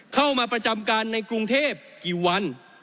เข้ามาประจำการในกรุงเทพกี่วัน